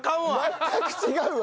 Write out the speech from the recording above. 全く違うわ。